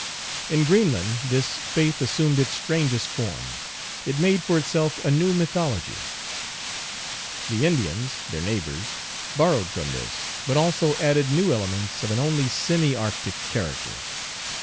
In Greenland this faith assumed its strangest form ; it made for itself a new mythology. The Indians, their neighbors, borrowed from this, but also added new elements of an only semi Arctic character.